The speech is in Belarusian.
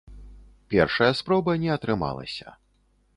Першая спроба не атрымалася.